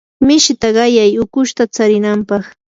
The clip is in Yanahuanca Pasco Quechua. mishita qayay ukushta tsarinanpaq.